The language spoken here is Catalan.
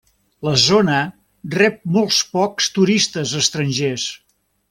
La zona rep molt pocs turistes estrangers.